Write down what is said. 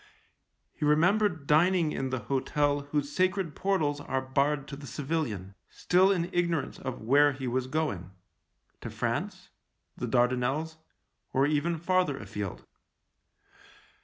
He remembered dining in the hotel whose sacred portals are barred to the civilian, still in ignorance of where he was going — to France, the Dardanelles, or even farther afield.